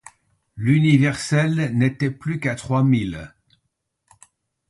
L'Universelle n'était plus qu'à trois mille.